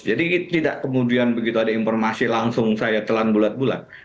jadi tidak kemudian begitu ada informasi langsung saya telan bulat bulat